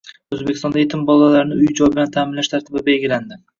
O‘zbekistonda yetim bolalarni uy-joy bilan ta’minlash tartibi belgilandi